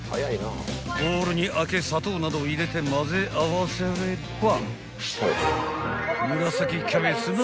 ［ボウルにあけ砂糖などを入れて混ぜ合わせれば］